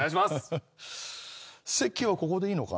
席はここでいいのかな？